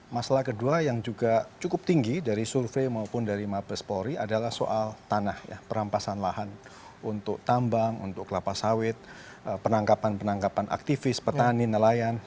masalah kedua yang juga cukup tinggi dari survei maupun dari mabes polri adalah soal tanah ya perampasan lahan untuk tambang untuk kelapa sawit penangkapan penangkapan aktivis petani nelayan